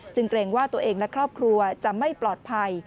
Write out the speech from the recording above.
เกรงว่าตัวเองและครอบครัวจะไม่ปลอดภัย